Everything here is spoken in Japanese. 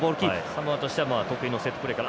サモアとしては得意のセットプレー。